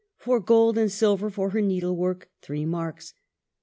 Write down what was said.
For gold and silver for her needlework, Three marks.